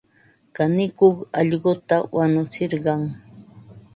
Kanikuq allquta wanutsirqan.